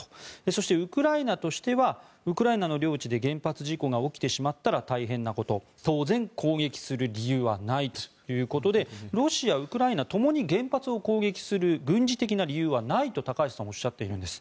そしてウクライナとしてはウクライナの領地で原発事故が起きてしまったら大変なこと当然、攻撃する理由はないということでロシア、ウクライナともに原発を攻撃する軍事的な理由はないと高橋さんはおっしゃっているんです。